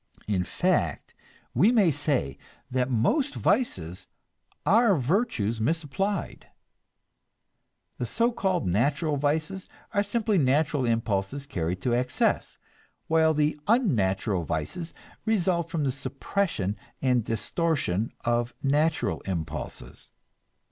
In fact, we may say that most vices are virtues misapplied. The so called natural vices are simply natural impulses carried to excess, while the unnatural vices result from the suppression and distortion of natural impulses.